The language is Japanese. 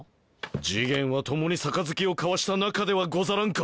次元は共に杯を交わした仲ではござらんか。